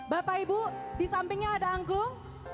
bapak ibu di sampingnya ada angklung